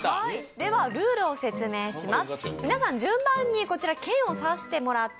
ではルールを説明します。